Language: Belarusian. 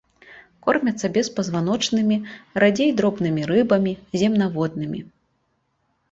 Кормяцца беспазваночнымі, радзей дробнымі рыбамі, земнаводнымі.